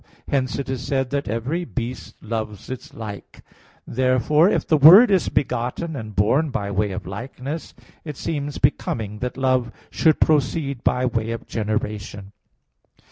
Hence it is said, that "every beast loves its like" (Ecclus. 13:19). Therefore if the Word is begotten and born by way of likeness, it seems becoming that love should proceed by way of generation.